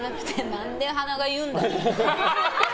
何で花が言うんだよ！